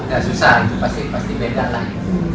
tidak susah itu pasti beda lah